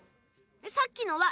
さっきのは。